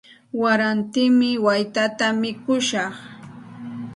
Warantimi waytata mikushaq.